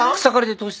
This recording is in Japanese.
どうして？